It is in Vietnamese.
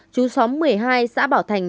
chú xóm một mươi hai xã bảo thành